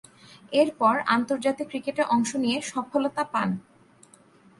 এরপর, আন্তর্জাতিক ক্রিকেটে অংশ নিয়ে সফলতা পান।